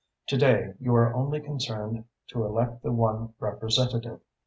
To day you are only concerned to elect the one representative.